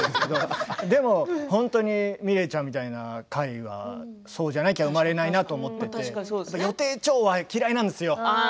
でもｍｉｌｅｔちゃんみたいな回はそうじゃないと生まれないなと思っていて予定調和は嫌いなんですよ。